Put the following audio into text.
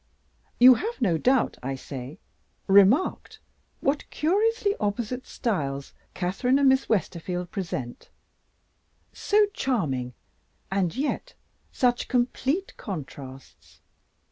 you have no doubt, I say, remarked what curiously opposite styles Catherine and Miss Westerfield present; so charming, and yet such complete contrasts.